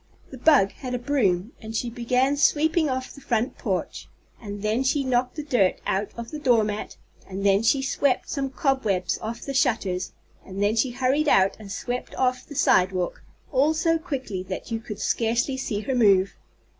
The bug had a broom and she began sweeping off the front porch and then she knocked the dirt out of the doormat, and then she swept some cobwebs off the shutters and then she hurried out and swept off the sidewalk, all so quickly that you could scarcely see her move.